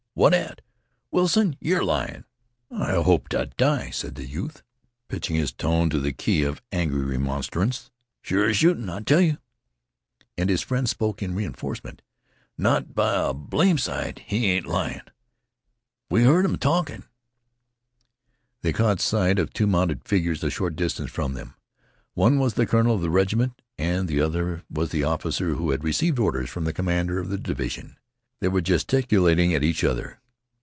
What at? Wilson, you're lyin'." "I hope to die," said the youth, pitching his tones to the key of angry remonstrance. "Sure as shooting, I tell you." And his friend spoke in re enforcement. "Not by a blame sight, he ain't lyin'. We heard 'em talkin'." They caught sight of two mounted figures a short distance from them. One was the colonel of the regiment and the other was the officer who had received orders from the commander of the division. They were gesticulating at each other.